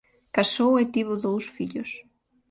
Casou e tivo dous fillos.